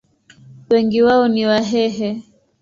Wengi wao ni Wahehe.